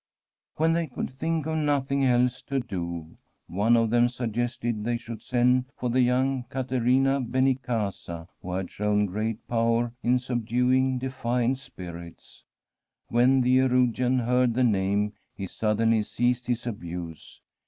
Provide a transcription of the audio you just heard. When they could think of nothing else to do, one of them suggested they should send for the young Caterina Benincafea, who had shown great fower in subduing defiant spirits. When the ^erugian heard the name he suddenly ceased his abuse.